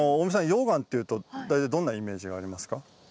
溶岩っていうと大体どんなイメージがありますか？